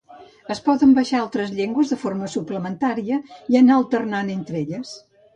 Es poden baixar altres llengües de forma suplementària i anar alternant entre elles.